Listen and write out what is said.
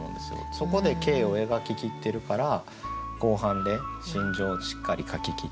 そこで景を描ききってるから後半で心情をしっかり書ききってる。